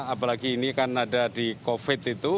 apalagi ini kan ada di covid itu